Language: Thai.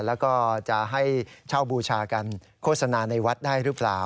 แล้วก็จะให้เช่าบูชากันโฆษณาในวัดได้หรือเปล่า